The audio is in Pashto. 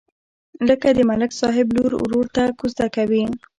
لکه د ملک صاحب لور ورور ته کوزده کوي.